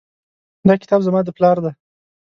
دا کتاب زما د پلار ده